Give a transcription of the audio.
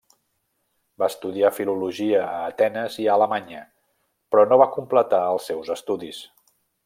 Va estudiar filologia a Atenes i a Alemanya, però no va completar els seus estudis.